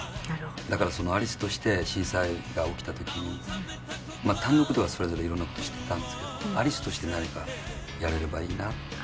だから、そのアリスとして震災が起きた時に単独では、それぞれ色んな事をしてたんですけどアリスとして、何かやれればいいなっていうのは。